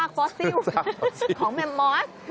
ฟอสซิลของแมมมอส